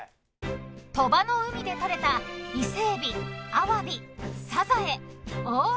［鳥羽の海で捕れた伊勢エビアワビサザエ大